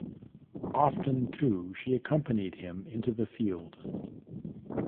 Often, too, she accompanied him into the field.